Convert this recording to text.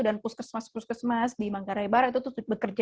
dan puskesmas puskesmas di manggarai barat itu bekerja luar biasa kerasnya